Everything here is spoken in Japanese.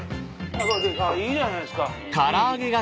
あぁいいじゃないですかいい。